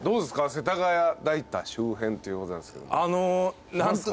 世田谷代田周辺ということなんですけど。来ますか？